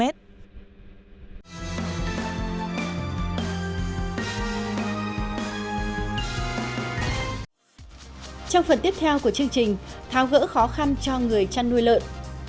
trong phần tiếp theo của chương trình thao gỡ khó khăn cho người chăn nuôi lợn